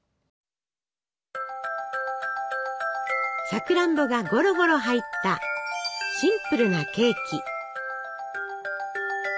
さくらんぼがゴロゴロ入ったシンプルなケーキ。